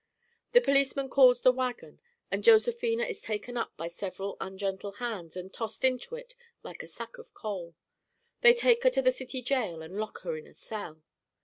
The policeman calls the 'wagon' and Josephina is taken up by several ungentle hands and tossed into it like a sack of coal. They take her to the city jail and lock her in a cell.